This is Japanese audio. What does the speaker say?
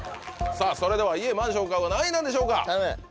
それでは家・マンションを買うは何位なんでしょうか？